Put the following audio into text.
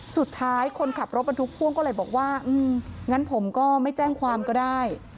คนขับรถบรรทุกพ่วงก็เลยบอกว่างั้นผมก็ไม่แจ้งความก็ได้